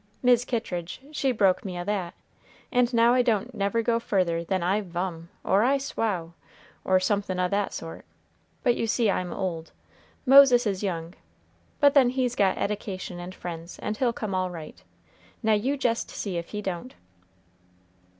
Mis' Kittridge, she broke me o' that, and now I don't never go further than 'I vum' or 'I swow,' or somethin' o' that sort; but you see I'm old; Moses is young; but then he's got eddication and friends, and he'll come all right. Now you jest see ef he don't!"